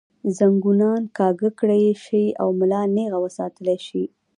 زنګونان کاږۀ کړے شي او ملا نېغه وساتلے شي